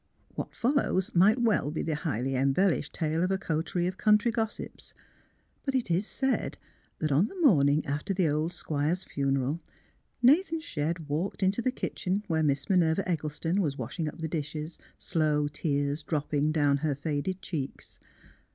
What follows might well be the highly em bellished tale of a coterie of country gossips; but it is said that on the morning after the old Squire 's funeral Nathan Shedd walked into the kitchen, where Miss Minerva Eggleston was washing up the dishes, slow tears dropping down her faded cheeks.